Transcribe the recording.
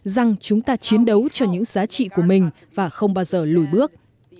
rằng chúng ta chiến đấu cho những giá trị của mình và không bao giờ lùi bước